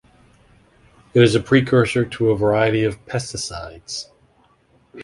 It is a precursor to a variety of pesticides.